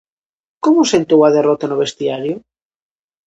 Como sentou a derrota no vestiario?